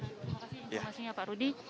terima kasih informasinya pak rudi